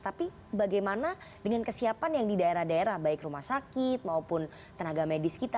tapi bagaimana dengan kesiapan yang di daerah daerah baik rumah sakit maupun tenaga medis kita